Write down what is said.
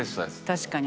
確かに。